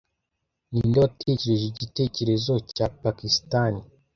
Ninde watekereje igitekerezo cya Pakisitani